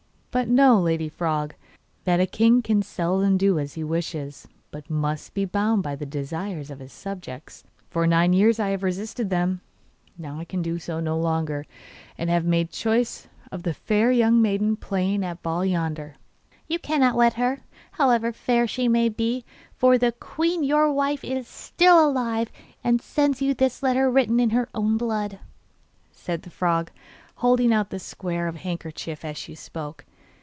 But know, Lady Frog, that a king can seldom do as he wishes, but must be bound by the desires of his subjects. For nine years I have resisted them; now I can do so no longer, and have made choice of the fair young maiden playing at ball yonder.' 'You cannot wed her, however fair she may be, for the queen your wife is still alive, and sends you this letter written in her own blood,' said the frog, holding out the square of handkerchief as she spoke.